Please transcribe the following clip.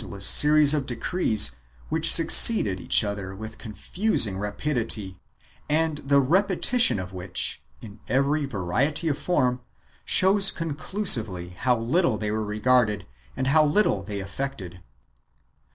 26 402 PRIVILEGES AND EXEMPTIONS [BOOK II series of decrees which succeeded each other with confusing rapidity and the repetition of which, in every variety of form, shows conclusively how little they were regarded and how little they effected.